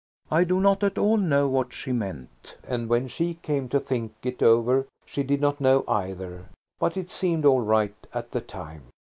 I do not at all know what she meant, and when she came to think it over she did not know either. But it seemed all right at the time.